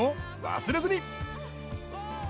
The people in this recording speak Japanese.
忘れずに！